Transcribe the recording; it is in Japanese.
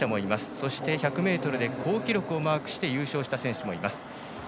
そして、１００ｍで好記録をマークして優勝した選手もいます。